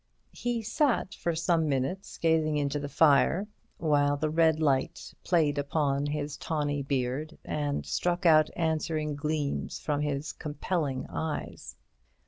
He sat for some minutes gazing into the fire, while the red light played upon his tawny beard and struck out answering gleams from his compelling eyes.